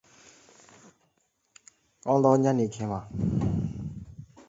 His white shirt seems to crawl, like a cluster of glow-worms in grass.